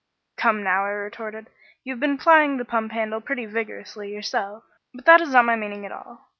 "Come, now," I retorted. "You have been plying the pump handle pretty vigorously yourself. But that is not my meaning at all.